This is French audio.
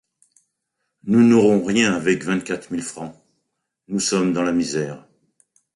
Nous n’aurons rien avec vingt-quatre mille francs, nous sommes dans la misère.